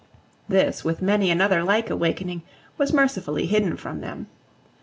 This, with many another like awakening, was mercifully hidden from them.